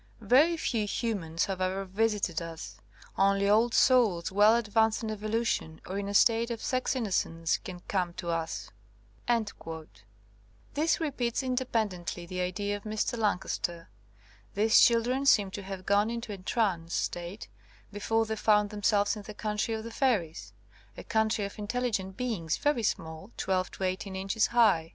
Very few humans have ever visited us. Only old souls well advanced in evolution or in a state of sex innocence can come to us." This re peats independently the idea of Mr. Lan caster. These children seem to have gone into a trance state before they found themselves in the country of the fairies — a country of intelligent beings, very small, 12 to 18 inches high.